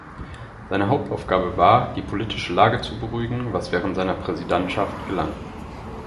Seine Hauptaufgabe war, die politische Lage zu beruhigen, was während seiner Präsidentschaft gelang.